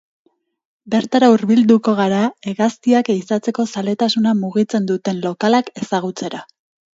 Bertara hurbilduko gara hegaztiak ehizatzeko zaletasuna mugitzen duten lokalak ezagutzera.